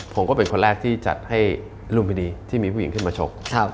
ผมก็เป็นคนแรกที่จัดให้ลุมพินีที่มีผู้หญิงขึ้นมาชก